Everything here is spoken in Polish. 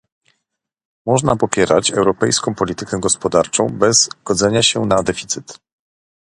Można popierać europejską politykę gospodarczą bez godzenia się na deficyt